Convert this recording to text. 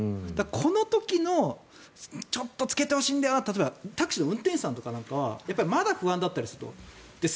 その時の、ちょっと着けてほしいんだよなとか例えば、タクシーの運転手さんはまだ不安だったりすると。